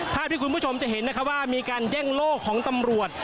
ภาพที่คุณผู้ชมจะเห็นนะคะว่ามีการแย่งโล่ของตำรวจ